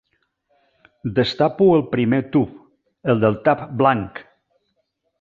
Destapo el primer tub, el del tap blanc.